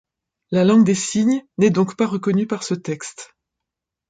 La langue des signes n'est donc pas reconnue par ce texte.